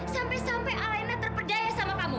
sampai sampai alena terpercaya sama kamu